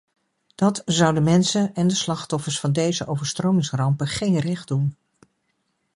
Dat zou de mensen en de slachtoffers van deze overstromingsrampen geen recht doen.